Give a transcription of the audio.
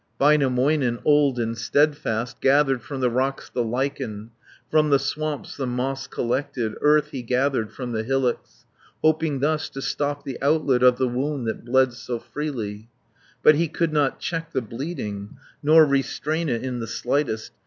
Väinämöinen, old and steadfast, Gathered from the rocks the lichen, From the swamps the moss collected, Earth he gathered from the hillocks, 200 Hoping thus to stop the outlet Of the wound that bled so freely, But he could not check the bleeding, Nor restrain it in the slightest.